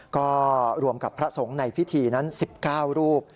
ก็รวมกับพระสงฆ์ในพิธีนั้น๑๙รูป